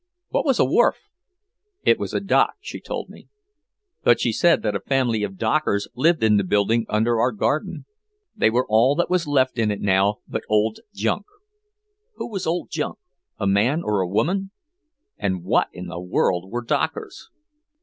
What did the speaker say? What was a "wharf?" It was a "dock," she told me. And she said that a family of "dockers" lived in the building under our garden. They were all that was left in it now but "old junk." Who was Old Junk, a man or a woman? And what in the world were Dockers?